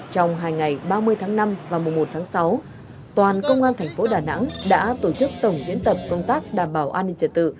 trong hai ngày ba mươi tháng năm và mùa một tháng sáu toàn công an thành phố đà nẵng đã tổ chức tổng diễn tập công tác đảm bảo an ninh trật tự